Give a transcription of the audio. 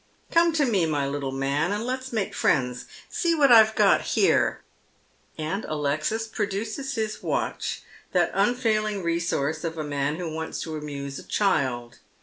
" Come to me, my little man, and let's make friends. See what I've got here !" And Alexis produces his watch, that unfailing resource of a man who wants to amuse a child.